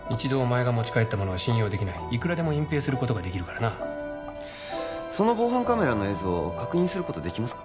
持ち帰ったものは信用できないいくらでも隠蔽できるからなその防犯カメラの映像を確認できますか？